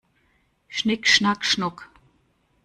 Schnick schnack schnuck!